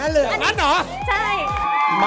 อย่างนั้นเลยอัมศจริงนะ